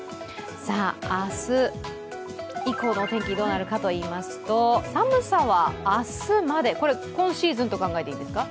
明日以降のお天気どうなるかといいますと寒さは明日まで、これ今シーズンと考えていいですか？